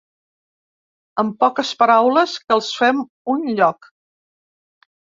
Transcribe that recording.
En poques paraules: que els fem un lloc.